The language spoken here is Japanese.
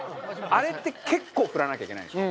あれって結構振らなきゃいけないでしょ？